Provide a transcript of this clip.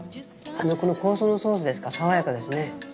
この香草のソースですか、爽やかですね。